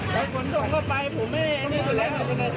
ถ้าคนต้องเข้าไปผมไม่ให้อันนี้ก็เลย